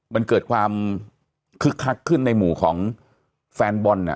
มันเกิดความคึกคักขึ้นในหมู่ของแฟนบอล